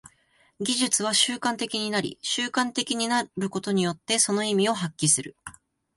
技術は習慣的になり、習慣的になることによってその意味を発揮する。